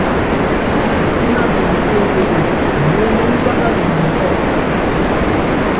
Ínanu nyi séselée, nyionyí nyípákalɔŋ ni kɔ́kú.